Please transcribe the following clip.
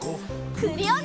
クリオネ！